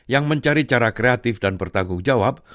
yang mencari cara kreatif dan bertanggung jawab